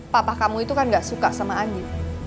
papa kamu itu kan gak suka sama anji